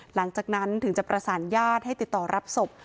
หลังจากนั้นถึงจะประสานญาติให้ติดต่อรับศพ